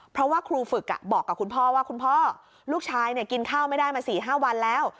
เพราะว่าครูฝึกบอกกับคุณพ่อว่าคุณพ่อลูกชายกินข้าวไม่ได้มา๔๕วันแล้ว